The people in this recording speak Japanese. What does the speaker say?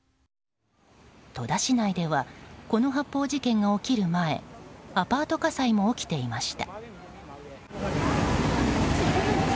戸田市内ではこの発砲事件が起きる前アパート火災も起きていました。